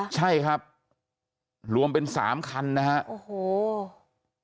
ใช่ครับรวมเป็นสามคันนะฮะโอ้โห